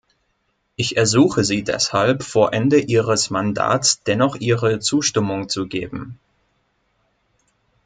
Ich ersuche Sie deshalb, vor Ende ihres Mandats dennoch ihre Zustimmung zu geben.